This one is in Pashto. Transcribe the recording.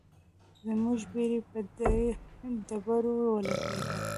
زموږ بیړۍ په ډبرو ولګیده.